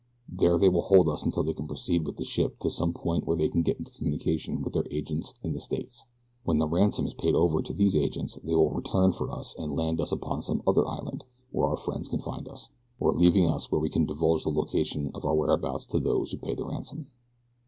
There they will hold us until they can proceed with the ship to some point where they can get into communication with their agents in the States. When the ransom is paid over to these agents they will return for us and land us upon some other island where our friends can find us, or leaving us where we can divulge the location of our whereabouts to those who pay the ransom."